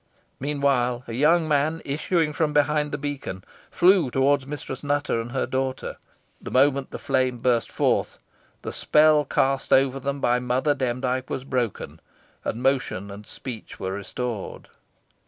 Meanwhile, a young man issuing from behind the beacon, flew towards Mistress Nutter and her daughter. The moment the flame burst forth, the spell cast over them by Mother Demdike was broken, and motion and speech restored.